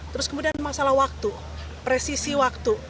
terus kemudian masalah waktu presisi waktu